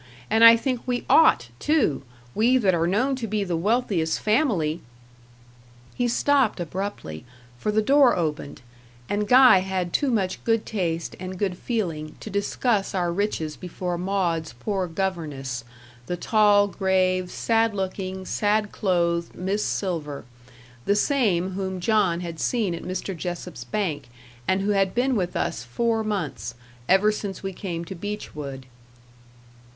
And I think we ought too we that are known to be the wealthiest family " He stopped abruptly for the door opened; and Guy had too much good taste and good feeling to discuss our riches before Maud's poor governess the tall, grave, sad looking, sad clothed Miss Silver; the same whom John had seen at Mr. Jessop's bank; and who had been with us four months ever since we came to Beechwood.